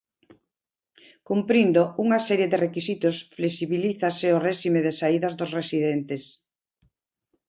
Cumprindo unha serie de requisitos, flexibilízase o réxime de saídas dos residentes.